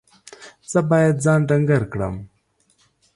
زه باید ځان ډنګر کړم.